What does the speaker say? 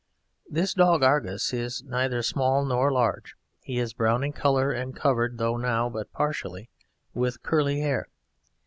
This dog Argus is neither small nor large; he is brown in colour and covered though now but partially with curly hair.